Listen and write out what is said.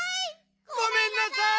ごめんなさい！